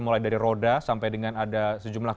mulai dari roda sampai dengan ada sejumlah